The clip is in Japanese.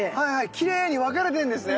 きれいに分かれてんですね？